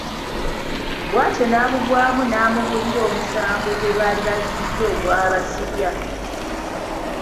Bw’atyo Nabugwamu n’amubuulira omusango gwe baali bazzizza ogwabasibya.